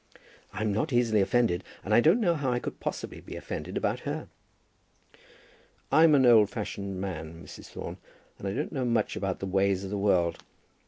"I'm not very easily offended, and I don't know how I could possibly be offended about her." "I'm an old fashioned man, Mrs. Thorne, and don't know much about the ways of the world.